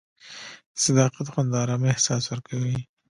د صداقت خوند د ارامۍ احساس ورکوي.